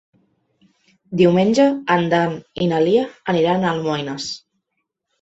Diumenge en Dan i na Lia aniran a Almoines.